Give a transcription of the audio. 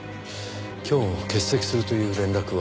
今日欠席するという連絡は？